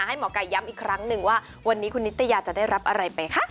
หมอไก่ย้ำอีกครั้งหนึ่งว่าวันนี้คุณนิตยาจะได้รับอะไรไปคะ